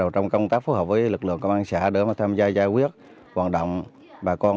trong công tác phối hợp với lực lượng công an xã để tham gia giải quyết vận động bà con